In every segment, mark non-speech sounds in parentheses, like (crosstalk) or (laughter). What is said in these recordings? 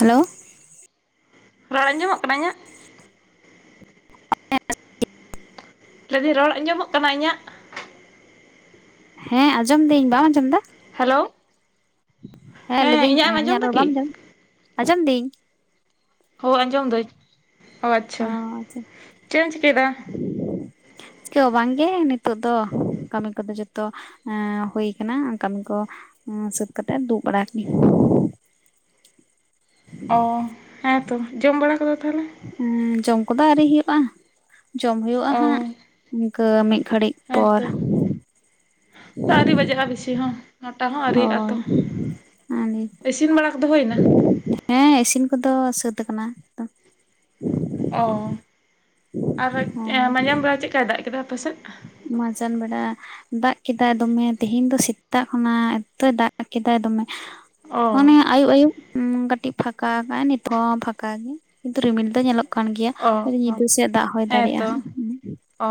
Hello ᱨᱚᱲ ᱟᱸᱡᱚᱢᱚᱜ ᱠᱟᱱᱟ ᱤᱧ ᱟᱜ? ᱟ (inaudible) ᱞᱟᱹᱭ ᱫᱤᱧ ᱨᱚᱲ ᱟᱸᱡᱚᱢᱚᱜ ᱠᱟᱱᱟ ᱤᱧ ᱟᱜ? ᱦᱮᱸ ᱟᱸᱡᱚᱢ ᱫᱟᱹᱧ, ᱵᱟᱢ ᱟᱸᱡᱚᱢ ᱫᱟ? ᱦᱮᱞᱳ ᱦᱮᱸ ᱞᱟᱹᱭ ᱫᱟᱹᱧ, ᱮᱢ ᱟᱸᱡᱚᱢ ᱤᱧᱟᱹᱜ ᱨᱚᱲ ᱫᱟᱠᱤ ᱵᱟᱢ ᱟᱡᱚᱢ? ᱟᱸᱡᱚᱢ ᱫᱟᱹᱧ᱾ ᱦᱳ ᱟᱸᱡᱚᱢ ᱫᱟᱹᱧ, ᱟᱪᱪᱷᱟ, ᱚ ᱟᱪᱪᱷᱟ ᱪᱮᱜ ᱮᱢ ᱪᱤᱠᱟᱹᱭ ᱫᱟ? ᱪᱤᱠᱟᱹ ᱦᱚᱸ ᱵᱟᱝ ᱜᱮ ᱱᱤᱛᱚᱜ ᱫᱚ ᱠᱟᱹᱢᱤ ᱠᱚᱫᱚ ᱡᱚᱛᱚ ᱮ ᱦᱩᱭ ᱠᱟᱱᱟ ᱠᱟᱹᱢᱤ ᱠᱚ ᱥᱟᱹᱛ ᱠᱟᱛᱮᱜ ᱫᱩᱜ ᱵᱟᱲᱟ ᱚᱻ ᱦᱮᱸ ᱛᱚ, ᱡᱚᱢ ᱵᱟᱲᱟ ᱠᱟᱫᱟ ᱛᱟᱦᱚᱞᱮ? ᱦᱮᱸ ᱡᱚᱢ ᱠᱚᱫᱚ ᱟᱹᱣᱨᱤ ᱦᱩᱭᱩᱜ-ᱟ, ᱡᱚᱢ ᱦᱩᱭᱩᱜ-ᱟ ᱚ ᱦᱟᱸᱜ ᱤᱱᱠᱟᱹ ᱢᱤᱫ ᱜᱷᱟᱹᱲᱤᱡ ᱯᱚᱨ ᱦᱮᱸᱛᱚ ᱫᱟᱨᱮ ᱵᱟᱡᱟᱜ ᱟ ᱵᱤᱥᱤ ᱦᱚᱸ᱾ ᱱᱚᱴᱟ ᱦᱚᱸ ᱟᱹᱣᱨᱤᱜᱼᱟ ᱦᱳᱭ ᱛᱚ ᱤᱥᱤᱱ ᱵᱟᱲᱟ ᱠᱚᱫᱚ ᱦᱩᱭᱱᱟ ᱦᱮᱸ ᱤᱥᱤᱱ ᱠᱚᱫᱚ ᱥᱟᱹᱛ ᱠᱟᱱᱟ ᱟᱫᱚ ᱚᱻ ᱟᱨ ᱢᱟᱡᱟᱱ ᱵᱟᱲᱟ ᱪᱮᱫ ᱠᱟᱭ ᱫᱟᱜ ᱠᱮᱫᱟ ᱟᱯᱮ ᱥᱮᱫ? ᱢᱟᱡᱟᱱ ᱵᱮᱲᱟ ᱫᱟᱜ ᱠᱮᱫᱟᱭ ᱫᱚᱢᱮ ᱛᱮᱦᱮᱧ ᱫᱚ ᱥᱮᱛᱟᱜ ᱠᱷᱚᱱᱟᱜ ᱮᱛᱚᱭ ᱫᱟᱜ ᱠᱮᱫᱟᱭ ᱫᱚᱢᱮ ᱚ ᱚᱱᱮ ᱟᱭᱩᱵ ᱟᱭᱩᱵ ᱠᱟᱹᱴᱤᱡ ᱯᱷᱟᱸᱠᱟ ᱠᱟᱜ-ᱟᱭ ᱱᱤᱛᱦᱚᱸ ᱯᱷᱟᱸᱠᱟ ᱜᱮ ᱠᱤᱱᱛᱩ ᱨᱤᱢᱤᱞ ᱫᱚ ᱧᱮᱞᱚᱜ ᱠᱟᱱ ᱜᱮᱭᱟ ᱚ ᱚ ᱧᱤᱫᱟᱹ ᱥᱮᱫ ᱫᱟᱜ ᱦᱚᱭ ᱦᱮᱸᱛᱚ ᱫᱟᱲᱮᱭᱟᱜ-ᱟ᱾ ᱚ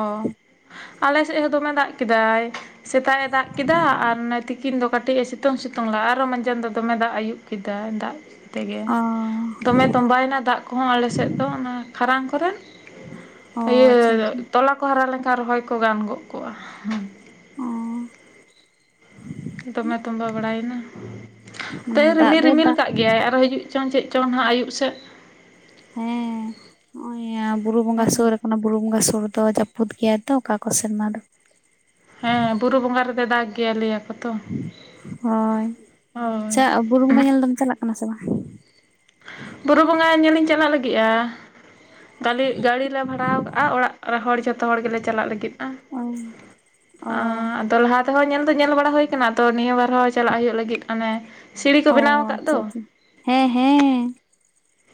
ᱟᱞᱮ ᱥᱮᱫ ᱦᱚᱸ ᱫᱚᱢᱮ ᱫᱟᱜ ᱠᱮᱫᱟᱭ᱾ ᱥᱮᱛᱟᱜ ᱮ ᱫᱟᱜ ᱠᱮᱫᱟ ᱟᱨ ᱚᱱᱮ ᱛᱤᱠᱤᱱ ᱫᱚ ᱠᱟᱹᱴᱤᱡ ᱮ ᱥᱤᱛᱩᱝ ᱥᱤᱛᱩᱝ ᱞᱟᱜ-ᱟ ᱟᱨᱚ ᱢᱟᱡᱟᱱ ᱫᱚ ᱫᱚᱢᱮ ᱫᱟᱜ ᱟᱹᱭᱩᱵ ᱠᱮᱫᱟᱭ ᱫᱟᱜ ᱛᱮᱜᱮ, ᱚ ᱫᱚᱢᱮ ᱛᱚᱸᱵᱟᱭᱮᱱᱟ ᱫᱟᱜ ᱠᱚᱦᱚᱸ ᱟᱞᱮ ᱥᱮᱫ ᱫᱚ ᱚᱱᱟ ᱠᱷᱟᱨᱟᱝ ᱠᱚᱨᱮ, ᱚ ᱤᱭᱟᱹ ᱟᱪᱪᱷᱟ ᱟᱪᱪᱷᱟ ᱛᱚᱞᱟ ᱠᱚ ᱦᱟᱨᱟ ᱞᱮᱱᱠᱷᱟᱱ ᱨᱚᱦᱚᱭ ᱠᱚ ᱜᱟᱱ ᱜᱚᱫ ᱠᱚᱜ-ᱟ ᱦᱮᱸ᱾ ᱚ ᱫᱚᱢᱮ ᱛᱚᱢᱵᱟ ᱵᱟᱲᱟᱭ ᱮᱱᱟ, ᱢᱟᱱᱮ ᱛᱟᱹᱭ ᱫᱟᱜ ᱨᱤᱢᱤᱞ ᱫᱚᱭ ᱨᱤᱢᱤᱞ ᱫᱟᱜ ᱠᱟᱜ ᱜᱮᱭᱟᱭ ᱟᱨᱚ ᱦᱤᱡᱩᱜ ᱪᱚᱝ ᱪᱮᱫ ᱪᱚᱝ, ᱪᱟᱝ ᱦᱟᱸᱜ ᱟᱭᱩᱵ ᱥᱮᱫ ᱦᱮᱸ ᱱᱟᱣᱟᱭ ᱭᱟ ᱵᱩᱨᱩ ᱵᱚᱸᱜᱟ ᱥᱳᱨᱮ ᱚᱱᱟ ᱵᱩᱨᱩ ᱵᱚᱸᱜᱟ ᱥᱩᱨ ᱫᱚ ᱡᱟᱹᱯᱩᱫ ᱜᱮᱭᱟ ᱛᱚ, ᱚᱠᱟ ᱠᱚ ᱥᱮᱨᱢᱟ ᱫᱚ᱾ ᱦᱮᱸ ᱵᱩᱨᱩ ᱵᱚᱸᱜᱟ ᱨᱮᱫᱚᱭ ᱫᱟᱜᱽ ᱜᱮᱭᱟ ᱞᱟᱹᱭ ᱟᱠᱚ ᱛᱚ ᱦᱳᱭ ᱦᱳᱭ ᱟᱪᱪᱷᱟ ᱵᱩᱨᱩ ᱵᱚᱸᱜᱟ ᱧᱮᱞ ᱫᱚᱢ ᱪᱟᱞᱟᱜ ᱠᱟᱱᱟ ᱥᱮ ᱵᱟᱝ? ᱵᱩᱨᱩ ᱵᱚᱸᱜᱟ ᱧᱮᱞ ᱤᱧ ᱪᱟᱞᱟᱜ ᱞᱟᱹᱜᱤᱫ-ᱟ ᱜᱟᱹᱞᱤ ᱜᱟᱰᱤ ᱞᱮ ᱵᱷᱟᱲᱟ ᱠᱟᱜ-ᱟ ᱚᱲᱟᱜ ᱟᱨ ᱦᱚᱲ ᱡᱚᱛᱚ ᱦᱚᱲ ᱜᱮᱞᱮ ᱪᱟᱞᱟᱜ ᱞᱟᱹᱜᱤᱫ-ᱟ᱾ ᱚ ᱚ ᱟᱫᱚ ᱞᱟᱦᱟ ᱛᱮᱦᱚᱸ ᱧᱮᱞ ᱫᱚ ᱧᱮᱞ ᱵᱟᱲᱟ ᱦᱩᱭ ᱠᱟᱱᱟ ᱛᱚ ᱱᱤᱭᱟᱹ ᱵᱟᱨ ᱦᱚᱸ ᱪᱟᱞᱟᱜ ᱦᱩᱭᱩᱜ ᱞᱟᱹᱜᱤᱫ ᱟᱱᱮᱼᱼ ᱚ ᱟᱪᱪᱷᱟ ᱟᱪᱪᱷᱟ ᱦᱮᱸ ᱦᱮᱸ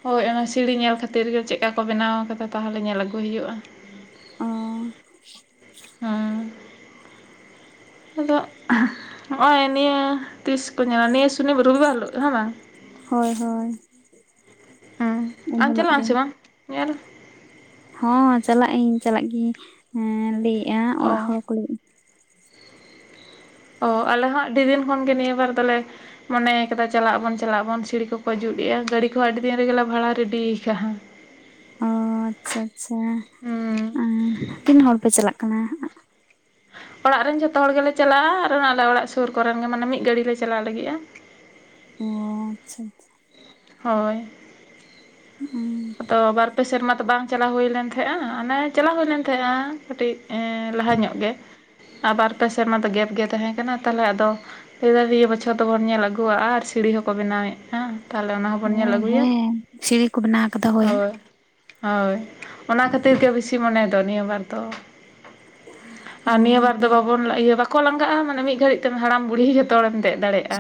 ᱦᱳᱭ ᱚᱱᱟ ᱥᱤᱲᱤ ᱧᱮᱞ ᱠᱷᱟᱹᱛᱤᱨ ᱜᱮ ᱪᱮᱫᱠᱟ ᱠᱚ ᱵᱮᱱᱟᱣ ᱠᱟᱫᱟ ᱛᱟᱦᱚᱞᱮ ᱧᱮᱞ ᱟᱹᱜᱩ ᱦᱩᱭᱩᱜᱼᱟ᱾ ᱚᱻ ᱦᱮᱸ ᱟᱫᱚ ᱱᱚᱜᱼᱚᱭ ᱱᱤᱭᱟᱹ ᱛᱤᱥ ᱠᱚ ᱧᱮᱞᱟ? ᱱᱤᱭᱟᱹ ᱥᱩᱱᱤ ᱨᱚᱵᱤ ᱵᱟᱨ ᱦᱤᱞᱳ ᱦᱮᱸ ᱵᱟᱝ? ᱦᱳᱭ ᱦᱳᱭ᱾ ᱩᱱ ᱟᱢ ᱦᱤᱞᱳᱜ ᱪᱟᱞᱟᱜ ᱟᱢ ᱜᱮ ᱥᱮ ᱵᱟᱝ ᱧᱮᱞ? ᱦᱚᱸ ᱪᱟᱞᱟᱜ ᱟᱹᱧ ᱪᱟᱞᱟᱜ ᱜᱤᱭᱤᱧ ᱞᱟᱹᱭᱮᱜᱼᱟ ᱚᱲᱟᱜ ᱚ ᱦᱚᱲ ᱠᱚ ᱚ ᱟᱞᱮ ᱦᱚᱸᱜ ᱟᱹᱰᱤ ᱫᱤᱱ ᱠᱷᱚᱱᱜᱮ ᱱᱤᱭᱟᱹ ᱵᱟᱨ ᱫᱚᱞᱮᱼᱼ ᱢᱚᱱᱮ ᱠᱟᱫᱟ ᱪᱟᱞᱟᱜ ᱟᱵᱚᱱ ᱪᱟᱞᱟᱜ ᱟᱵᱚᱱ ᱥᱤᱲᱤ ᱠᱚᱠᱚ ᱡᱩᱛ ᱮᱼᱟ ᱜᱟᱹᱲᱤ ᱠᱚᱦᱚᱸ ᱟᱹᱰᱤ ᱫᱤᱱ ᱨᱮᱜᱮ ᱵᱷᱟᱲᱟ ᱨᱮᱰᱤᱭ ᱟᱠᱟᱜ᱾ ᱚ ᱟᱪᱪᱷᱟ ᱟᱪᱪᱷᱟ ᱦᱩᱸ ᱛᱤᱱᱟᱹᱜ ᱦᱚᱲ ᱯᱮ ᱪᱟᱞᱟᱜ ᱠᱟᱱᱟ? ᱚᱲᱟᱜ ᱨᱮᱱ ᱡᱷᱚᱛᱚ ᱦᱚᱲ ᱜᱮᱞᱮ ᱪᱟᱞᱟᱜᱼᱟ ᱟᱨ ᱟᱞᱮ ᱚᱲᱟᱜ ᱥᱩᱨ ᱠᱚᱨᱮᱱ ᱜᱮ ᱢᱟᱱᱮ ᱢᱤᱫ ᱜᱷᱟᱹᱲ ᱞᱮ ᱪᱟᱞᱟᱣ ᱞᱟᱹᱜᱤᱫᱼᱟ᱾ ᱚᱻ ᱦᱳᱭ᱾ ᱟᱫᱚ ᱵᱟᱨ ᱯᱮ ᱥᱮᱨᱢᱟ ᱛᱚ ᱵᱟᱝᱼᱼ ᱪᱟᱞᱟᱣ ᱦᱩᱭ ᱞᱮᱱ ᱛᱟᱦᱮᱸᱜᱼᱟ ᱢᱟᱱᱮ ᱪᱟᱞᱟᱣ ᱦᱩᱭ ᱞᱮᱱ ᱛᱟᱦᱮᱸᱼᱟ ᱠᱟᱹᱴᱤᱡ ᱞᱟᱦᱟ ᱧᱚᱜ ᱜᱮ᱾ ᱟ ᱵᱟᱨᱯᱮ ᱥᱮᱮᱫ ᱢᱟ ᱫᱚ ᱜᱮᱯ ᱜᱮ ᱛᱟᱦᱮᱸ ᱠᱟᱱᱟᱟᱱᱟ ᱛᱟᱦᱚᱞᱮ ᱟᱫᱚᱼᱼ ᱞᱟᱹᱭᱟᱨ ᱱᱤᱭᱟᱹ ᱵᱚᱪᱷᱚᱨ ᱫᱚᱵᱚᱱ ᱧᱮᱞ ᱟᱹᱜᱩᱣᱟᱜᱼᱟ ᱟᱨ ᱥᱤᱲᱤ ᱦᱚᱸᱠᱚ ᱵᱮᱱᱟᱣᱮᱫᱼᱟ ᱛᱟᱦᱚᱞᱮ ᱚᱱᱟ ᱦᱚᱸᱵᱚᱱ ᱧᱮᱞ ᱦᱮᱸ ᱟᱹᱜᱩᱭᱟ᱾ ᱦᱮᱸ ᱥᱤᱲᱤ ᱠᱚ ᱵᱮᱱᱟᱣ ᱦᱳᱭ ᱦᱳᱭ ᱚᱱᱟ ᱠᱷᱟᱹᱛᱤᱨ ᱜᱮ ᱵᱮᱥᱤ ᱢᱚᱱᱮ ᱫᱚ ᱱᱤᱭᱟᱹ ᱵᱟᱨ ᱫᱚ᱾ ᱟᱨ ᱱᱤᱭᱟᱹ ᱵᱟᱨ ᱫᱚ ᱵᱟᱵᱚᱱ ᱤᱭᱟᱹ ᱵᱟᱠᱷᱨᱟᱼᱼ ᱠᱚ ᱞᱟᱸᱜᱟᱜᱼᱟ ᱢᱟᱱᱮ ᱢᱤᱫ ᱜᱷᱟᱹᱲᱤᱡ ᱛᱮᱢ ᱦᱟᱲᱟᱢ ᱵᱩᱲᱦᱤ ᱡᱚᱛᱚᱮᱢ ᱫᱮᱡ ᱫᱟᱲᱮᱭᱟᱜᱼᱟ᱾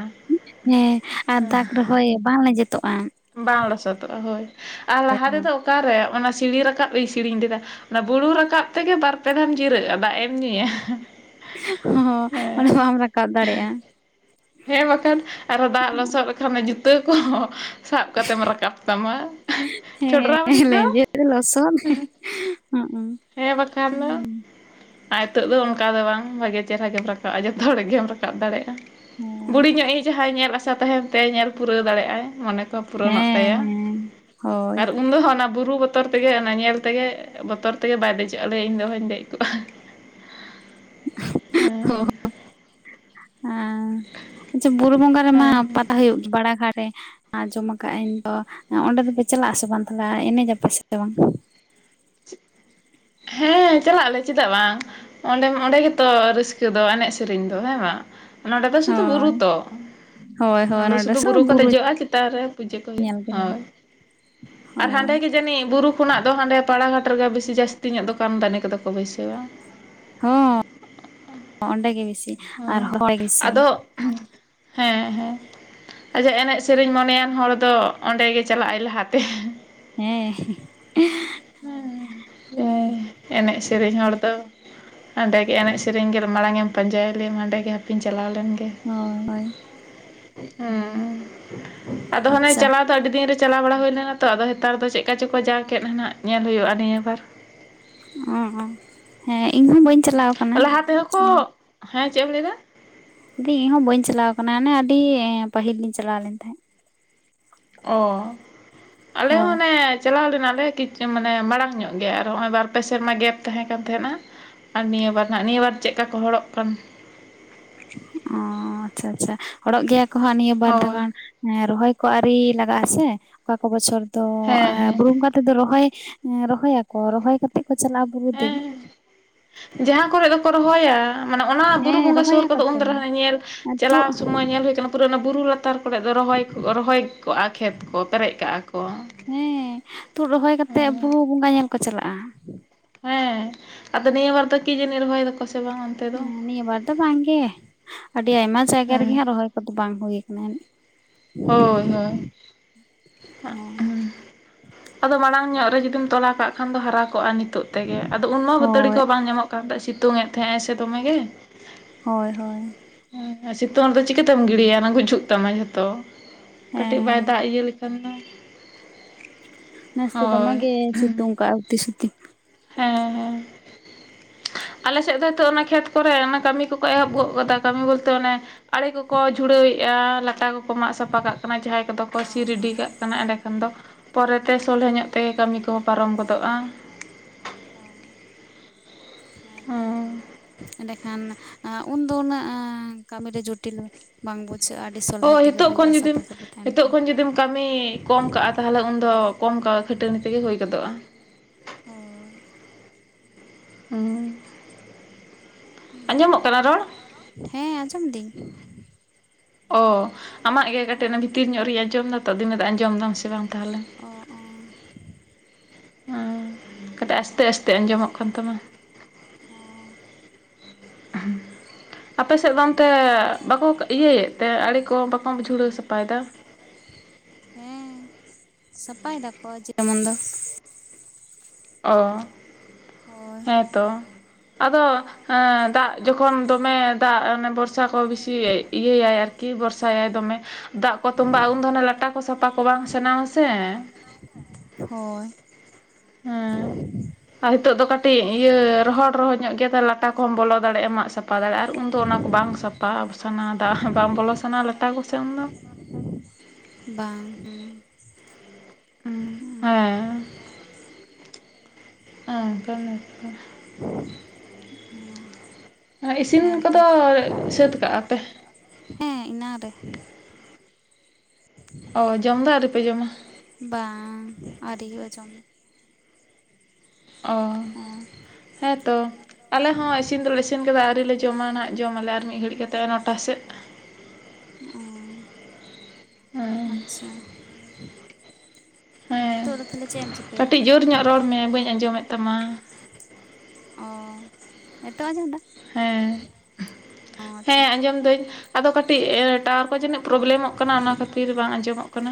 ᱦᱮᱸ ᱟᱨ ᱫᱟᱜ ᱨᱮᱦᱚᱭ ᱵᱟᱝ ᱞᱮᱱᱡᱮᱛᱚᱜᱼᱟ᱾ ᱵᱟᱝ ᱞᱚᱥᱚᱫᱚᱜᱼᱟ ᱦᱳᱭ ᱟᱨ ᱞᱟᱦᱟ ᱛᱮᱫᱚ ᱦᱚᱸ ᱚᱠᱟᱨᱮ ᱚᱱᱟ ᱥᱤᱲᱤ ᱨᱟᱠᱟᱵ ᱨᱧ ᱥᱮᱲᱤᱧ ᱞᱮᱫᱟ᱾ ᱚᱱᱟ ᱵᱩᱨᱩ ᱨᱟᱠᱟᱵ ᱛᱮᱜᱮ ᱵᱟᱨᱯᱮ ᱫᱷᱟᱢ ᱡᱤᱨᱟᱹᱜᱼᱟ ᱫᱟᱜ ᱮᱢ ᱧᱩᱭᱟ᱾ ᱦᱚᱸ ᱚᱱᱟ ᱦᱮᱸ ᱵᱟᱢ ᱨᱟᱠᱟᱵ ᱫᱟᱲᱮᱭᱟᱜᱼᱟ᱾ ᱦᱮᱸ ᱵᱟᱠᱷᱟᱱ ᱟᱨᱚ ᱫᱟᱜ ᱞᱚᱥᱚᱫ ᱞᱮᱠᱷᱟᱱ ᱡᱩᱛᱟᱹ ᱠᱚᱦᱚᱸᱼᱼ ᱥᱟᱵ ᱠᱟᱛᱮᱢ ᱨᱟᱠᱟᱵ ᱛᱟᱢᱟ ᱦᱮᱸ ᱪᱷᱚᱰᱨᱟ ᱢᱟᱹᱨᱤᱡ ᱫᱚ ᱦ ᱦᱮᱸ ᱵᱟᱠᱷᱟᱱ ᱫᱚ ᱟᱨ ᱱᱤᱛᱚᱜ ᱫᱚ ᱚᱱᱠᱟ ᱫᱚ ᱵᱟᱝ ᱵᱷᱟᱜᱮ ᱪᱮᱦᱨᱟ ᱜᱮᱢ ᱨᱟᱠᱟᱵᱼᱟ ᱡᱚᱛᱚ ᱦᱚᱲ ᱜᱮᱢ ᱨᱟᱠᱟᱵ ᱫᱟᱲᱮᱭᱟᱜᱼᱟ᱾ ᱵᱩᱲᱤ ᱧᱚᱜ ᱮ ᱡᱟᱦᱟᱸᱭ ᱧᱮᱞ ᱟᱥᱟ ᱛᱟᱦᱮᱱ ᱛᱟᱭ ᱧᱮᱞ ᱯᱩᱨᱟᱹᱣ ᱫᱟᱲᱮᱭᱟᱜᱼᱟᱭ ᱢᱚᱱᱮ ᱼᱼ ᱯᱩᱨᱚᱱᱚᱜ ᱛᱟᱭᱟ ᱦᱮᱸ ᱦᱳᱭ ᱟᱨ ᱩᱱ ᱫᱚ ᱦᱚᱸ ᱚᱱᱟ ᱵᱩᱨᱩ ᱵᱚᱛᱚᱨ ᱛᱮᱜᱮ ᱚᱱᱟ ᱧᱮᱞ ᱛᱮᱜᱮ ᱵᱚᱛᱚᱨ ᱛᱮᱜᱮ ᱵᱟᱭ ᱫᱮᱡᱚᱜᱼᱟᱞᱮᱭᱟ ᱤᱧ ᱫᱚ ᱦᱚᱚᱧ ᱫᱮᱡ ᱠᱚᱜᱼᱟ᱾ (unintelligible) ᱚᱻ ᱦᱮᱸ ᱦ ᱟᱪᱪᱷᱟ ᱵᱩᱨᱩ ᱵᱚᱸᱜᱟ ᱨᱮᱢᱟ ᱦᱮᱸ ᱯᱟᱛᱟ ᱦᱩᱭᱩᱜ ᱜᱮ ᱵᱟᱲᱟ ᱜᱷᱟ ᱨᱮᱼᱼ ᱟᱠᱟᱟᱜ ᱟᱹᱧ ᱛ ᱚᱸᱰᱮ ᱫᱚᱯᱮ ᱪᱟᱞᱟᱜ ᱟᱥᱮ ᱵᱟᱝ ᱛᱟᱦᱮ ᱮᱱᱮᱡ ᱟᱯᱮ ᱥᱮ ᱥᱮ ᱵᱟᱝ? ᱦᱮᱸ ᱪᱟᱞᱟᱜ ᱟᱞᱮ ᱪᱮᱫᱟᱜ ᱵᱟᱝ᱾ ᱚᱸᱰᱮ ᱚᱸᱰᱮ ᱜᱮᱛᱚ ᱨᱟᱹᱥᱠᱟᱹ ᱫᱚ ᱮᱱᱮᱡ ᱥᱮᱨᱮᱧ ᱫᱚ ᱦᱮᱸ ᱵᱟᱝ᱾ ᱚᱱᱟᱰᱮ ᱫᱚ ᱥᱩᱫᱩ ᱜᱩᱨᱩ ᱦᱳᱭ ᱛᱚ᱾ ᱦᱳᱭ ᱦᱳᱭ ᱟᱰᱮ ᱱᱚᱰᱮ ᱥᱩᱫᱩ ᱥᱮ ᱵᱩᱨᱩ ᱠᱚ ᱫᱮᱡᱚᱜᱼᱟ ᱪᱮᱛᱟᱱ ᱨᱮ ᱯᱩᱡᱟᱹ ᱠᱚ ᱦᱩᱭᱩᱜᱼᱟ, ᱧᱮᱞ ᱜᱮ ᱦᱳᱭ ᱟᱨ ᱦᱟᱸᱰᱮ ᱦᱳᱭ ᱜᱮ ᱡᱟᱹᱱᱤᱡ ᱵᱩᱨᱩ ᱠᱷᱚᱱᱟᱜ ᱫᱚ ᱦᱟᱸᱰᱮ ᱯᱟᱲᱟᱜᱷᱟᱴ ᱨᱮᱜᱮ ᱵᱤᱥᱤ ᱡᱟᱹᱥᱛᱤ ᱧᱚᱜ ᱫᱚᱠᱟᱱ ᱫᱟᱹᱱᱤ ᱠᱚᱫᱚ ᱠᱚ ᱵᱟᱹᱭᱥᱟᱹᱣᱟ᱾ ᱦᱚᱸ ᱚᱸᱰᱮ ᱜᱮ ᱵᱮᱥᱤ ᱟᱨ ᱦᱮᱸ ᱵᱮᱥᱤ᱾ ᱟᱫᱚ ᱦᱮᱸ ᱦᱮᱸ ᱟᱪᱪᱷᱟ ᱮᱱᱮᱡ ᱥᱮᱨᱮᱧ ᱢᱚᱱᱮᱭᱟᱱ ᱦᱚᱲ ᱫᱚ ᱚᱸᱰᱮᱜ ᱪᱟᱞᱟᱜᱼᱟᱭ ᱞᱟᱦᱟᱛᱮ᱾ ᱦᱮᱸ ᱦᱮᱸ ᱮᱟᱭ ᱮᱱᱮᱡ ᱥᱮᱨᱮᱧ ᱦᱚᱲ ᱫᱚᱼᱼ ᱚᱸᱰᱮ ᱮᱱᱮᱡ ᱥᱮᱨᱮᱧ ᱜᱮ ᱢᱟᱲᱟᱝ ᱮᱢ ᱯᱧᱪᱟᱭ᱾ ᱟᱞᱮ ᱢᱟᱸᱰᱮ ᱜᱮᱦᱟ ᱠᱤᱱ ᱪᱟᱞᱟᱣ ᱞᱮᱱ ᱜᱮ ᱦᱳᱭ ᱦᱳᱭ ᱦᱮᱸ᱾ ᱟᱫᱚ ᱦᱟᱱᱮ ᱟᱪᱪᱷᱟ ᱪᱟᱞᱟᱣ ᱫᱚ ᱟᱹᱰᱤ ᱫᱤᱱ ᱨᱮ, ᱪᱟᱞᱟᱣ ᱵᱟᱲᱟ ᱦᱩᱭᱱᱟ ᱛᱚ ᱟᱫᱚ ᱱᱮᱛᱟᱨ ᱫᱚ ᱪᱮᱫᱠᱟ ᱪᱚᱠᱚ ᱡᱟ ᱠᱮᱫ ᱱᱟᱦᱟᱜ ᱧᱮᱞ ᱦᱩᱭᱩᱜᱼᱟ ᱱᱤᱭᱟᱹ ᱵᱟᱨ᱾ ᱚ ᱦᱮᱸ ᱤᱧ ᱦᱚᱸ ᱵᱟᱹᱧ ᱪᱟᱞᱟᱣ ᱠᱟᱱᱟ ᱞᱟᱦᱟ ᱛᱮᱦᱚᱸ ᱠᱚ ᱦᱩᱸ, ᱦᱮᱸ ᱪᱮᱜ ᱮᱢ ᱞᱟᱹᱭᱮᱫᱟ? ᱫᱤ ᱦᱚᱸ ᱵᱟᱹᱧ ᱪᱟᱞᱟᱣ ᱠᱟᱱᱟ ᱱᱟ ᱟᱹᱰᱤ ᱯᱟᱹᱦᱤᱞ ᱞᱤᱧ ᱪᱟᱞᱟᱣ ᱞᱮᱱ ᱛᱟᱦᱮᱸᱫ᱾ ᱚ ᱟᱞᱮ ᱦᱳᱭ ᱦᱚᱸ ᱚᱱᱮ, ᱪᱟᱞᱟᱣ ᱞᱮᱱᱟᱞᱮ ᱠᱤᱪᱩ ᱢᱟᱱᱮ ᱢᱟᱲᱟᱝ ᱧᱚᱜ ᱜᱮ ᱟᱨ ᱦᱚᱸᱜᱼᱚᱭ ᱵᱟᱨ ᱯᱮ ᱥᱮᱨᱢᱟ ᱜᱮᱯ ᱛᱟᱦᱮᱸ ᱠᱟᱱ ᱛᱟᱦᱮᱱᱟ᱾ ᱟᱨ ᱱᱤᱭᱟᱹ ᱵᱟᱨ ᱱᱟᱦᱟᱜ ᱱᱤᱭᱟᱹ ᱵᱟᱨ ᱪᱮᱫᱠᱟ ᱠᱚ ᱦᱚᱲᱚᱜ ᱠᱟᱱ, ᱚᱸ ᱟᱪᱪᱷᱟ ᱟᱪᱪᱷᱟ ᱦᱚᱲᱚᱜ ᱜᱮᱭᱟ ᱠᱚ ᱦᱟᱸᱜ ᱱᱤᱭᱟᱹ ᱵᱟᱨ ᱫᱷᱚ ᱦᱳᱭ ᱜᱟᱱ᱾ ᱦᱮᱸ ᱨᱚᱦᱚᱭ ᱠᱚ ᱟᱹᱨᱤ ᱞᱟᱜᱟᱜ ᱟᱥᱮ ᱚᱠᱟ ᱠᱚ ᱵᱚᱪᱷᱚᱨ ᱫᱚ ᱦᱮᱸ ᱦᱮᱸ ᱵᱩᱨᱩ ᱵᱚᱝᱜᱟ, ᱛᱮᱫ ᱫᱚ ᱨᱚᱦᱚᱭ ᱨᱚᱦᱚᱭᱟᱠᱚ ᱨᱚᱦᱚᱭ ᱠᱟᱛᱮᱜ ᱠᱚ ᱪᱟᱞᱟᱜᱼᱟ ᱵᱩᱨᱩ ᱛᱮ᱾ ᱦᱮᱸ ᱡᱟᱦᱟᱸ ᱠᱚᱨᱮ ᱫᱚᱠᱚ ᱨᱚᱦᱚᱭᱟ᱾ ᱢᱟᱱᱮ ᱚᱱᱟ ᱵᱩᱨᱩ ᱦᱮᱸ ᱵᱚᱸᱜᱟ ᱥᱳᱨ ᱨᱚᱦᱚᱭᱟᱠᱚ ᱠᱚᱫᱚ ᱩᱱ ᱛᱚ ᱫᱟᱨᱟ ᱦᱟᱸᱜ ᱧᱮᱞ ᱪᱟᱞᱟᱣ ᱛᱩᱫ ᱥᱩᱢᱟᱹᱭ ᱧᱮᱞ ᱦᱩᱭ ᱠᱟᱱᱟ ᱯᱩᱨᱟᱹ ᱚᱱᱟ ᱵᱩᱨᱩ ᱞᱟᱛᱟᱨ᱾ ᱞᱟᱛᱟᱨ ᱠᱚᱨᱮ ᱫᱚ ᱨᱚᱦᱚᱭ ᱠᱩᱜ ᱨᱚᱦᱚᱭ ᱠᱚᱜᱼᱟ ᱠᱷᱮᱛ ᱠᱚ ᱯᱮᱨᱮᱡ ᱠᱟᱜᱼᱟ ᱠᱚ᱾ ᱦᱮᱸ ᱦᱮᱸ ᱛᱩᱫ ᱨᱚᱦᱚᱭ ᱠᱟᱛᱮᱜ ᱵᱩᱨᱩ ᱵᱚᱸᱜᱟ ᱧᱮᱞ ᱠᱚ ᱪᱟᱞᱟᱜᱼᱟ᱾ ᱦᱮᱸ ᱟᱫᱚ ᱱᱤᱭᱟᱹ ᱵᱟᱨ ᱫᱚ ᱠᱤᱡᱟᱹᱱᱤᱜ ᱨᱚᱦᱚᱭ ᱫᱟᱠᱚ ᱥᱮ ᱵᱟᱝ ᱚᱱ, ᱦᱮᱸ ᱱᱤᱭᱟᱹ ᱵᱟᱨ ᱫᱚ ᱵᱟᱝ ᱜᱮ ᱟᱹᱰᱤ ᱟᱭᱢᱟ ᱡᱟᱭᱜᱟ ᱦᱮᱸ ᱨᱮᱜᱮ ᱦᱟᱸᱜ ᱨᱚᱦᱚᱭ ᱠᱚᱫᱚ ᱵᱟᱝ ᱦᱩᱭ ᱠᱟᱱᱟ᱾ ᱦᱳᱭ ᱦᱳᱭ᱾ ᱟᱫᱚ ᱢᱟᱲᱟᱝ ᱧᱚᱜ ᱨᱮ ᱡᱩᱫᱤᱢ ᱛᱚᱞᱟ ᱠᱟᱜ ᱠᱷᱟᱱ ᱫᱚ ᱦᱟᱨᱟ ᱠᱚᱜᱼᱟ ᱱᱤᱛᱚᱜ ᱛᱮᱜᱮ ᱟᱫᱚ ᱩᱱᱢᱟ ᱵᱟᱹᱛᱟᱹᱲᱤ ᱦᱳᱭ ᱠᱚ ᱵᱟᱝ ᱧᱟᱢᱚᱜ, ᱠᱟᱱ ᱛᱟᱦᱮᱜ ᱥᱤᱛᱩᱝ ᱮᱫ ᱛᱟᱦᱮᱸᱟᱭ ᱥᱮ ᱫᱚᱢᱮ ᱜᱮ᱾ ᱦᱳᱭ ᱦᱳᱭ, ᱥᱤᱛᱩᱝ ᱨᱮᱫᱚ ᱪᱤᱠᱟᱹᱛᱮᱢ ᱜᱤᱰᱤᱭᱟ ᱱᱟ ᱜᱩᱡᱩᱜ ᱛᱟᱢᱟ ᱡᱷᱚᱛᱚ᱾ ᱠᱟᱹᱴᱤᱜ ᱦᱮᱸ ᱵᱟᱭ ᱫᱟᱜᱽ ᱤᱭᱟᱹ ᱞᱮᱠᱷᱟᱱ ᱫᱚ᱾ ᱱᱮᱥ ᱫᱚ ᱫᱚᱢᱮ ᱦᱳᱭ ᱜᱮ ᱥᱤᱛᱩᱝ ᱠᱟᱜ-ᱟ ᱩᱛᱤ ᱥᱩᱛᱤ᱾ ᱦᱮᱸ ᱦᱮᱸ ᱦᱮᱸ ᱟᱞᱮᱥᱮᱜ ᱫᱚ ᱦᱤᱛᱚᱜ ᱚᱱᱟ ᱠᱷᱮᱛ, ᱠᱚᱨᱮ ᱚᱱᱟ ᱠᱟᱹᱢᱤ ᱠᱚᱠᱚ ᱮᱦᱚᱵ ᱜᱚᱜ ᱠᱟᱫᱟ ᱠᱟᱹᱢᱤ ᱵᱚᱞᱛᱮ ᱚᱱᱮ, ᱟᱲᱮ ᱠᱚᱠᱚ ᱡᱷᱩᱲᱟᱹᱣᱮᱜᱼᱟ ᱞᱟᱴᱟ ᱠᱚᱠᱚ ᱢᱟᱜ ᱥᱟᱯᱷᱟ ᱠᱟᱜ ᱠᱟᱱᱟ ᱡᱟᱦᱟᱸᱭ, ᱠᱚᱫᱚ ᱠᱚ ᱚ ᱥᱤ ᱨᱮᱰᱤ ᱠᱟᱜ ᱚ ᱠᱟᱱᱟ ᱮᱸᱰᱮᱠᱷᱟᱱ ᱫᱚ ᱯᱚᱨᱮᱛᱮ ᱥᱚᱞᱦᱮ ᱧᱚᱜ ᱛᱮ ᱠᱟᱹᱢᱤ ᱠᱚ ᱯᱟᱨᱚᱢ ᱜᱚᱫᱚᱜᱼᱟ᱾ ᱚᱸ ᱦᱮᱸᱛᱚ ᱮᱱᱰᱮ, ᱠᱷᱟᱱ ᱩᱱᱫᱚ ᱩᱱᱟᱹᱜ ᱠᱟᱹᱢᱤ ᱨᱮ ᱡᱚᱴᱤᱞ ᱵᱟᱝ ᱵᱩᱡᱷᱟᱹᱜᱼᱟ᱾ ᱟᱹᱰᱤ ᱥᱚᱞᱦᱮ ᱛᱮᱜᱮ ᱦᱩᱭᱩᱜᱼᱟ ᱥᱟᱯᱷᱟ ᱥᱟᱹᱯᱷᱤ᱾ ᱛᱟᱦᱮᱱ ᱱᱤᱛᱚᱜ ᱠᱟᱱᱟ ᱠᱷᱚᱱ ᱡᱩᱫᱤᱢ ᱠᱟᱹᱢᱤ ᱠᱚᱢ ᱠᱟᱜᱼᱟ ᱛᱟᱦᱞᱮ ᱩᱱᱫᱚ ᱠᱚᱢ ᱠᱟ ᱠᱷᱟᱹᱴᱟᱹᱱᱤ ᱛᱮᱜᱮ ᱦᱳᱭ ᱜᱚᱫᱚᱜᱼᱟ᱾ ᱦᱳᱭ, ᱦᱮᱸ ᱟᱸᱡᱚᱢᱚᱜ ᱠᱟᱱᱟ ᱨᱚᱲ᱾ ᱦᱮᱸ ᱟᱸᱡᱚᱢ ᱫᱤᱹᱧ᱾ ᱚ ᱟᱢᱟᱜ ᱜᱮ ᱠᱟᱹᱴᱤᱜ ᱚᱱᱟ ᱵᱷᱤᱛᱤᱨ ᱧᱚᱜ ᱨᱤᱧ ᱟᱸᱡᱚᱢ ᱫᱟ ᱛᱚ ᱟᱫᱩᱧ ᱢᱮᱱ ᱫᱟ ᱟᱸᱡᱚᱢ ᱫᱟᱢ ᱥᱮ ᱵᱟᱝ ᱛᱟᱦᱚᱞᱮ᱾ ᱚ ᱚ ᱠᱟᱹᱴᱮᱜ ᱟᱥᱛᱮ ᱟᱥᱛᱮ ᱟᱸᱡᱚᱢᱚᱜ ᱠᱟᱱ ᱛᱟᱢᱟ᱾ ᱚᱸ, ᱟᱯᱮᱥᱮᱜ ᱫᱚ ᱚᱱᱛᱮ ᱵᱟᱠᱚ ᱤᱭᱟᱹᱭᱮᱜ ᱛᱮ ᱟᱹᱲᱮ ᱠᱚ ᱵᱟᱠᱚ ᱡᱷᱩᱲᱟᱹᱣ ᱥᱟᱯᱟᱭᱫᱟ᱾ ᱦᱮᱸ ᱥᱟᱯᱟᱭ ᱫᱟᱠᱚ ᱡᱮᱢᱚᱱ ᱫᱚ᱾ ᱚ ᱦᱳᱭ ᱦᱮᱸ ᱛᱚ, ᱟᱫᱚ ᱫᱟᱜᱽ ᱡᱚᱠᱷᱚᱱ ᱫᱚᱢᱮ ᱫᱟᱜᱽ ᱵᱚᱨᱥᱟ ᱠᱚ ᱵᱤᱥᱤ, ᱤᱭᱟᱹᱭᱟᱭ ᱼᱤᱭᱟᱹᱭᱟᱭ ᱟᱨᱠᱤ ᱵᱚᱨᱥᱟᱭᱟᱭ ᱫᱚᱢᱮ᱾ ᱫᱟᱜᱽ ᱠᱚ ᱛᱚᱸᱵᱟᱜᱼᱟ ᱩᱱ ᱫᱚ ᱚᱱᱮ ᱞᱟᱴᱟ ᱠᱚ ᱥᱟᱯᱷᱟ ᱠᱚ ᱵᱟᱝ ᱥᱟᱱᱟᱣᱟᱥᱮ᱾ ᱦᱳᱭ, ᱦᱮᱸ (inaudible) ᱟᱨ ᱦᱤᱛᱚᱜ ᱫᱚ ᱠᱟᱹᱴᱤᱡ ᱤᱭᱟᱹ ᱨᱚᱦᱚᱲ ᱨᱚᱦᱚᱲ ᱧᱚᱜ ᱜᱮᱭᱟ ᱛᱚ ᱞᱟᱴᱟ ᱠᱚᱦᱚᱢ ᱵᱚᱞ ᱫᱟᱲᱮᱜᱼᱟ᱾ ᱢᱟᱜ ᱥᱟᱯ, ᱥᱟᱯᱟ ᱫᱟᱲᱮᱜᱼᱟ ᱟᱨ ᱩᱱᱫᱚ ᱚᱱᱟ ᱠᱚ ᱵᱟᱝ ᱥᱟᱯᱷᱟ ᱥᱟᱱᱟ ᱫᱟᱜᱽ ᱵᱟᱝ ᱵᱚᱞᱚ ᱥᱟᱱᱟ ᱞᱟᱴᱟ ᱠᱚᱥᱮᱜ ᱩᱱ ᱫᱚ᱾ ᱵᱟᱝ ᱦᱩᱸ, (unintelligible) (unintelligible) ᱤᱥᱤᱱ ᱦᱮᱸᱛᱚ ᱠᱚᱫᱚ ᱥᱟᱹᱛ ᱠᱟᱜᱼᱟ ᱯᱮ? ᱦᱮᱸ, ᱮᱱᱟᱝ ᱨᱮ ᱾ ᱚ ᱡᱚᱢ ᱫᱚ ᱟᱹᱣᱨᱤ ᱯᱮ ᱡᱚᱢᱟ? ᱵᱟᱝ ᱟᱨᱤ ᱦᱳᱭᱳᱜ ᱟ ᱡᱚᱢ ᱫᱚ ᱾ ᱚ ᱦᱚᱸ ᱦᱮᱸ ᱛᱚ, ᱟᱞᱮ ᱦᱚᱸ ᱤᱥᱤᱱ ᱫᱚᱞᱮ ᱤᱥᱤᱱ ᱠᱮᱫᱟ ᱟᱹᱣᱨᱤᱞᱮ ᱡᱚᱢᱟ ᱱᱟᱦᱟᱜ ᱡᱚᱢᱟᱞᱮ ᱟᱨ ᱢᱤᱫ ᱜᱷᱟᱹᱲᱤᱡ ᱠᱟᱛᱮᱜ ᱱᱚᱴᱟ ᱥᱮᱜ᱾ ᱳ ᱦᱮᱸ ᱟᱪᱪᱷᱟ᱾ ᱦᱮᱸ ᱱᱤᱛᱚᱜ ᱫᱚ ᱛᱟᱦᱚᱞᱮ ᱪᱮᱫ ᱮᱢ ᱪᱤᱠᱟᱹᱭᱮᱫᱟ ᱠᱟᱹᱴᱤᱡ ᱡᱳᱨ ᱧᱚᱜ ᱨᱚᱲ ᱢᱮ ᱵᱟᱹᱧ ᱟᱸᱡᱚᱢᱮᱫ ᱛᱟᱢᱟ᱾ ᱚ ᱱᱤᱛᱚᱜ ᱟᱸᱡᱷᱚᱢ ᱫᱟ? ᱦᱮᱸ, ᱟᱪᱪᱷᱟ ᱦᱮᱸ ᱟᱸᱡᱚᱢ ᱫᱟᱹᱧ᱾ ᱟᱫᱚ ᱠᱟᱹᱴᱤᱡ ᱴᱟᱣᱟᱨ ᱠᱚ ᱡᱟᱹᱱᱤᱡ ᱯᱨᱚᱵᱞᱮᱢᱚᱜ ᱠᱟᱱᱟ ᱚᱱᱟ ᱠᱷᱟᱹᱛᱤᱨ ᱵᱟᱝ ᱟᱸᱡᱚᱢᱚᱜ ᱠᱟᱱᱟ᱾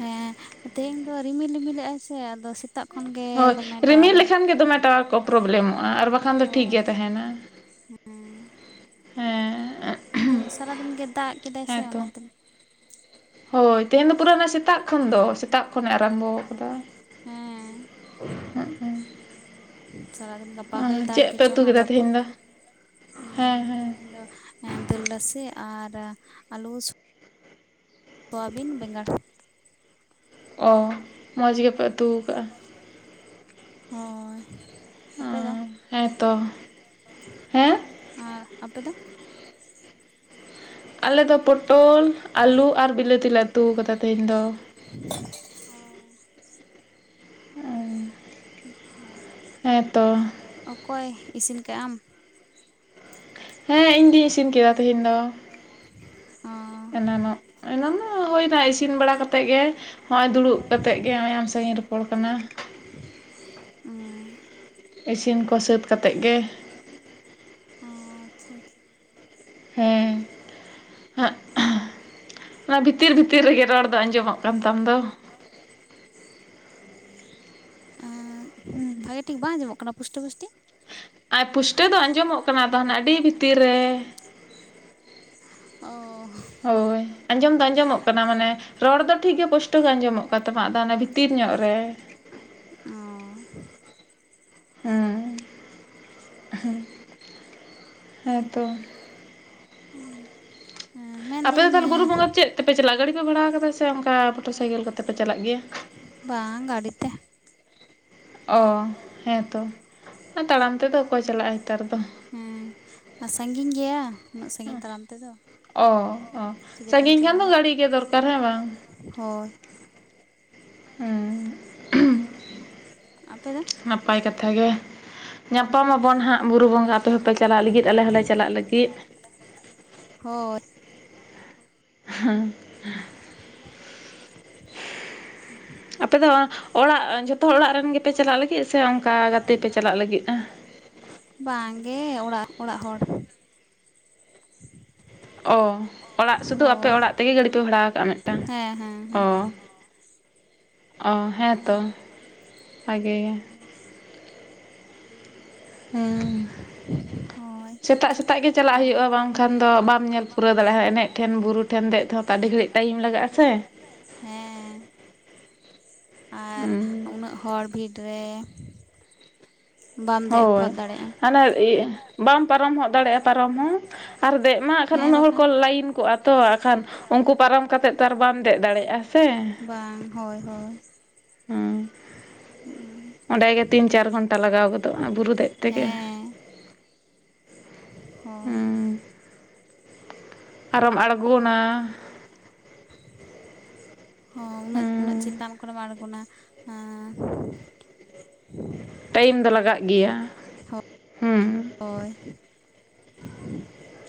ᱦᱮᱸ ᱛᱮᱦᱮᱧ ᱫᱚ ᱨᱤᱢᱤᱞ ᱨᱢᱤᱞᱜᱼᱟᱭ ᱥᱮ ᱟᱫᱚ ᱠᱷᱚᱱ ᱜᱮ ᱦᱳᱭ ᱫᱚᱢᱮ ᱨᱤᱢᱤᱞ ᱴᱟᱣᱟᱨᱮ ᱞᱮᱠᱷᱟᱱ ᱜᱮ ᱫᱚᱢᱮ ᱴᱟᱣᱟᱨ ᱠᱚ ᱯᱨᱚᱵᱞᱮᱢᱚᱜᱼᱟ, ᱟᱨ ᱵᱟᱝᱠᱷᱟᱱ (inaudible) ᱦᱮᱸ ᱦᱮᱸ ᱛᱤᱦᱤᱱ ᱥᱟᱨᱟᱫᱤᱱ ᱜᱮ ᱫᱟᱜ ᱠᱮᱫᱟᱭ ᱥᱮ ᱦᱮᱸᱛᱚ ᱚᱱᱟᱛᱮ, ᱦᱳᱭ ᱛᱮᱦᱮᱧ ᱫᱚ ᱯᱩᱨᱟᱹ ᱚᱱᱟ ᱥᱮᱛᱟᱜ ᱠᱷᱚᱱ ᱫᱚ ᱥᱮᱛᱟᱜ ᱠᱷᱚᱱᱮ ᱟᱨᱟᱢᱵᱚ ᱠᱟᱫᱟ᱾ ᱦᱮᱸ᱾ (unintelligible) ᱥᱟᱨᱟᱫᱤᱱ ᱜᱟᱯᱟ ᱦᱚᱭ ᱫᱟᱜ ᱪᱮᱫ ᱯᱮ ᱜᱮᱪᱚ ᱩᱛᱩ ᱦᱟᱸᱜ ᱠᱮᱫᱟ ᱡᱟᱹᱯᱩᱫ, ᱛᱮᱦᱮᱧ ᱫᱚ ᱤᱭᱟᱹ ᱦᱮᱸ ᱦᱮᱸ ᱛᱮᱤᱧ ᱫᱚ ᱮᱸ ᱫᱟᱹᱞ ᱨᱟᱥᱮ ᱟᱨ ᱟᱞᱩ ᱥᱚᱣᱟᱵᱤᱱ ᱵᱮᱸᱜᱟᱲ᱾ ᱚ ᱢᱚᱡᱽ ᱜᱮᱯᱮ ᱚᱛᱩ ᱟᱠᱟᱟᱜᱼᱟ᱾ ᱦᱳᱭ, ᱚ ᱟᱯᱮ ᱫᱚ? ᱦᱮᱸᱛᱚ ᱾ ᱟᱨ ᱟᱯ ᱫᱚ? ᱟᱞᱮ ᱫᱚ ᱯᱚᱴᱚᱞ ᱟᱹᱞᱩ ᱟᱨ ᱵᱤᱞᱟᱹᱛᱤ ᱞᱮ ᱩᱛᱩ ᱟᱠᱟᱫᱟ ᱛᱮᱦᱤᱧ ᱫᱚ᱾ (unintelligible) ᱟᱪᱪᱷᱟ ᱦᱮᱸᱛᱚ᱾ ᱚᱠᱚᱭ ᱤᱥᱤᱱ ᱠᱟᱜ ᱟᱢ? ᱦᱮᱸ ᱤᱧ ᱜᱤᱧ ᱤᱥᱤᱱ ᱠᱮᱫᱟ ᱛᱮᱦᱮᱧ ᱫᱚ, ᱚ ᱮᱱᱟᱱᱚᱜ ᱚᱱᱟᱢᱟ ᱦᱩᱭᱱᱟ ᱤᱥᱤᱱ ᱵᱟᱲᱟ ᱠᱟᱛᱮᱫ ᱜᱮ ᱦᱚᱜᱼᱚᱭ ᱫᱩᱲᱩᱵ ᱠᱟᱛᱮᱜ ᱜᱮ ᱱᱚᱜᱼᱚᱭ ᱟᱢ ᱥᱟᱺᱟᱹᱜᱤᱧ ᱨᱚᱯᱚᱲ ᱠᱟᱱᱟ᱾ ᱚ ᱾ ᱤᱥᱤᱱ ᱠᱚ ᱥᱟᱹᱛ ᱠᱟᱛᱮᱫ ᱜᱮ᱾ ᱚ ᱟᱪᱪᱷᱟ ᱟᱪᱪᱷᱟ᱾ ᱦᱮᱸ ᱦᱟᱸᱜ ᱵᱷᱤᱛᱤᱨ ᱵᱷᱤᱛᱤᱨ ᱨᱮᱜᱮ ᱨᱚᱲ ᱟᱫᱚ ᱟᱸᱡᱚᱢᱚᱜ ᱠᱟᱱ ᱛᱟᱢ ᱫᱚ? ᱮᱸ ᱵᱷᱟᱜᱮ ᱴᱷᱤᱠ ᱵᱟᱝ ᱟᱸᱡᱚᱢᱚᱜ ᱠᱟᱱᱟ ᱯᱩᱥᱴᱤᱟᱹ ᱯᱩᱥᱴᱤ? ᱟᱨ ᱯᱩᱥᱴᱟᱹ ᱫᱚ ᱟᱸᱡᱚᱢᱚᱜ ᱠᱟᱱᱟ, ᱟᱫᱚ ᱟᱹᱰᱤ ᱵᱷᱤᱛᱤᱨ ᱨᱮ᱾ ᱚ ᱦᱳᱭ ᱟᱸᱡᱚᱢ ᱫᱚ ᱟᱸᱡᱚᱢᱚᱜ ᱠᱟᱱᱟ ᱢᱟᱱᱮ ᱨᱚᱲ ᱫᱚ ᱴᱷᱤᱠ ᱜᱮ ᱯᱚᱥᱴᱚ ᱜᱮ ᱟᱸᱡᱚᱢᱚᱜ ᱠᱟᱱ ᱛᱟᱢᱟ ᱟᱫᱚ ᱚᱱᱟ ᱵᱷᱤᱛᱤᱨ ᱧᱚᱜ ᱨᱮ᱾ ᱚ ᱦᱮᱸ ᱦᱮᱸ ᱦᱮᱸᱛᱚ ᱟᱯᱮ ᱢᱮᱱᱫᱟᱹᱧ ᱫᱚ ᱛᱟᱦᱚᱞᱮ ᱵᱩᱨᱩ ᱵᱚᱸᱜᱟ ᱪᱮᱫ ᱛᱮᱯᱮ ᱪᱟᱞᱟᱜᱼᱟ ᱜᱟᱹᱰᱤ ᱯᱮ ᱵᱷᱟᱲᱟ ᱠᱟᱫᱟ ᱥᱮ ᱚᱱᱠᱟ ᱢᱚᱴᱚᱨ ᱥᱟᱭᱠᱮᱞ ᱠᱚᱛᱮ ᱯᱮ ᱪᱟᱞᱟᱜ ᱜᱮᱭᱟ? ᱵᱟᱝ ᱜᱟᱹᱰᱤ ᱛᱮ᱾ ᱚ ᱦᱮᱸᱛᱚ ᱛᱟᱲᱟᱢ ᱛᱮᱫᱚ ᱚᱠᱚᱭ ᱪᱟᱞᱟᱜᱼᱟ ᱱᱮᱛᱟᱨ ᱫᱚ᱾ ᱦᱮᱸ ᱟᱨ ᱥᱟᱺ ᱜᱤᱧ ᱜᱮᱭᱟ ᱩᱱᱟᱹᱜ ᱥᱟᱺᱜᱤᱧ ᱛᱟᱲᱟᱢ ᱛᱮᱫᱚ᱾ ᱚ ᱪᱤᱠᱟᱹᱛᱮᱢ ᱥᱟᱺᱜᱤᱧ ᱠᱷᱟᱱ ᱫᱚ ᱪᱟᱞᱟᱜᱼᱟ ᱜᱟᱹᱟᱹᱲᱤ ᱜᱮ ᱫᱚᱨᱠᱟᱨ ᱦᱮᱸ ᱵᱟᱝ᱾ ᱦᱳᱭ᱾ ᱦᱮᱸ ᱦᱩᱸ ᱟᱯᱮ ᱫᱚ? ᱱᱟᱯᱟᱭ ᱠᱟᱛᱷᱟ ᱜᱮ ᱾ ᱧᱟᱯᱟᱢ ᱟᱵᱚᱱ ᱦᱟᱸᱜ ᱵᱩᱨᱩ ᱵᱚᱸᱜᱟ ᱟᱯᱮ ᱦᱚᱸᱯᱮ ᱪᱟᱞᱟᱜ ᱞᱟᱹᱜᱤᱫ ᱟᱞᱮ ᱦᱚᱸᱞᱮ ᱪᱟᱞᱟᱜ ᱞᱟᱹᱜᱤᱫ ᱾ ᱦᱳᱭ ᱦᱮᱸ ᱦ ᱟᱯᱮ ᱫᱚ ᱚᱲᱟᱜ ᱡᱷᱚᱛᱚ ᱦᱚᱲ ᱚᱲᱟᱜ ᱨᱮᱱ ᱜᱮᱯᱮ ᱪᱟᱞᱟᱜ ᱞᱟᱹᱜᱤᱫ ᱥᱮ ᱚᱱᱠᱟ ᱜᱟᱛᱮ ᱯᱮ ᱪᱟᱞᱟᱜ ᱞᱟᱹᱜᱤᱫᱼᱟ ᱾ ᱵᱟᱝᱜᱮ ᱚᱲᱟᱜ - ᱚᱲᱟᱜ ᱦᱚᱲ ᱾ ᱚ ᱚᱲᱟᱜ ᱥᱩᱫᱩ ᱟᱯᱮ ᱦᱳᱭ ᱚᱲᱟᱜ ᱛᱮᱜᱮ ᱜᱟᱹᱰᱤ ᱯᱮ ᱵᱷᱟᱲᱟ ᱠᱟᱜᱼᱟ ᱢᱤᱫᱴᱟᱝ ᱦᱮᱸ ᱦᱮᱸ ᱚ ᱦᱮᱸ ᱚ ᱦᱮᱸᱛᱚ, ᱵᱷᱟᱜᱮ ᱜᱮ ᱦᱮᱸ ᱦᱳᱭ ᱥᱮᱛᱟᱜ ᱥᱮᱛᱟᱜ ᱜᱮ ᱪᱟᱞᱟᱜ ᱟᱨ ᱦᱩᱭᱩᱜᱼᱟ ᱵᱟᱝᱠᱷᱟᱱ ᱫᱚ ᱵᱟᱢ ᱧᱮᱞ ᱯᱩᱨᱟᱹᱣ ᱫᱟᱲᱮᱭᱟᱜᱼᱟ ᱮᱱᱮᱡ ᱴᱷᱮᱱ ᱵᱩᱨᱩ ᱴᱷᱮᱱ ᱫᱮᱡ ᱛᱮᱦᱚᱸ ᱛᱚ ᱟᱹᱰᱤ ᱜᱷᱟᱹᱲᱤᱡ ᱴᱟᱭᱤᱢ ᱞᱟᱜᱟᱜᱼᱟ ᱥᱮ ᱾ ᱦᱮᱸ ᱟᱨ ᱦᱩᱸ ᱩᱱᱟᱹᱜ ᱦᱚᱲ ᱵᱷᱤᱲ ᱨᱮ ᱾ ᱦᱳᱭ ᱦᱟᱱᱮ ᱤᱭᱟᱹ ᱵᱟᱢ ᱯᱟᱨᱚᱢ ᱦᱚᱫ ᱫᱟᱲᱮᱭᱟᱜᱼᱟ ᱯᱟᱨᱚᱢ ᱦᱚᱸ ᱟᱨ ᱫᱮᱡ ᱢᱟ ᱮᱠᱷᱟᱱ ᱦᱮᱸ ᱩᱱᱟᱹᱜ ᱦᱚᱲ ᱵᱟᱠᱷᱟᱱ ᱠᱚ ᱞᱟᱭᱤᱱ ᱠᱚᱜᱼᱟ, ᱛᱚ ᱠᱷᱟᱱ ᱩᱱᱠᱩ ᱯᱟᱨᱚᱢ ᱠᱟᱛᱮ ᱛᱚ ᱟᱨ ᱵᱟᱢ ᱫᱮᱡ ᱫᱟᱲᱮᱭᱟᱜᱼᱟ ᱥᱮ ᱾ ᱵᱟᱝ ᱦᱳᱭ ᱦᱳᱭ ᱦᱩᱸ ᱚᱸᱰᱮᱜᱮ ᱛᱤᱱ ᱪᱟᱨ ᱜᱷᱚᱱᱴᱟ ᱞᱟᱜᱟᱣ ᱜᱚᱫᱚᱜᱼᱟ ᱵᱩᱨᱩ ᱫᱮᱡ ᱛᱮᱜᱮ ᱦᱮᱸ ᱦᱳᱭ ᱟᱨᱦᱚᱢ ᱟᱲᱜᱚᱱᱟ ᱦᱚᱸ ᱩᱱᱟᱹᱜ ᱩᱱᱟᱹᱜ ᱦᱮᱸ ᱪᱮᱛᱟᱱ ᱠᱷᱚᱱᱮᱢ ᱟᱲᱜᱚᱱᱟ ᱴᱟᱭᱤᱢ ᱫᱚ ᱞᱟᱜᱟᱜ ᱜᱮᱭᱟ ᱾ ᱦᱳᱭ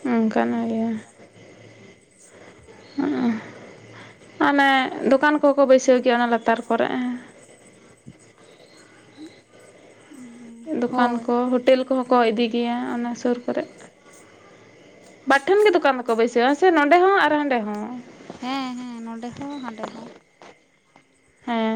ᱚᱱᱠᱟᱱ ᱜᱮᱭᱟ ᱾ ᱢᱟᱱᱮ ᱫᱚᱠᱟᱱ ᱠᱚᱦᱚᱸ ᱠᱚ ᱵᱟᱹᱭᱥᱟᱹᱣ ᱜᱮᱭᱟ ᱚᱱᱟ ᱞᱟᱛᱟᱨ ᱠᱚᱨᱮᱜ ᱾ (inaudible) ᱫᱚᱠᱟᱱ ᱦᱳᱭ ᱠᱚ ᱦᱳᱴᱮᱞ ᱠᱚᱦᱚᱸ ᱠᱚ ᱤᱫᱤ ᱜᱮᱭᱟ ᱚᱱᱟ ᱥᱩᱨ ᱠᱚᱨᱮᱜ ᱾ ᱵᱟᱨ ᱴᱷᱮᱱ ᱜᱮ ᱫᱚᱠᱟᱱ ᱢᱟᱠᱚ ᱵᱟᱹᱭᱥᱟᱹᱣᱼᱟ, ᱥᱮ ᱱᱚᱸᱰᱮ ᱦᱚᱸ ᱟᱨ ᱦᱟᱸᱰᱮ ᱦᱚᱸ ᱾ ᱦᱮᱸ ᱦᱮᱸ ᱱᱚᱰᱮ ᱦᱚᱸ ᱦᱟᱸᱰᱮ ᱦᱚᱸ ᱾ ᱦᱮᱸ